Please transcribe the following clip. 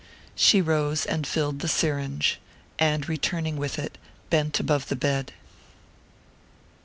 She rose and filled the syringe and returning with it, bent above the bed....